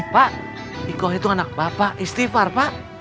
pak ikoh itu anak bapak istighfar pak